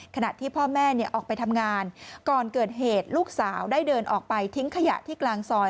ขณะที่พ่อแม่ออกไปทำงานก่อนเกิดเหตุลูกสาวได้เดินออกไปทิ้งขยะที่กลางซอย